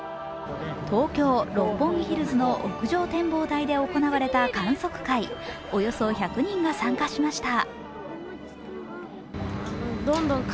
東京・六本木ヒルズの屋上展望台で行われた観測会、およそ１００人が参加しました。